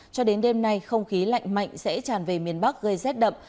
cho đến đêm nay không khí lạnh mạnh sẽ tràn về miền bắc gây rét đậm